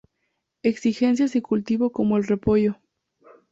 Exigencias y cultivo como el repollo.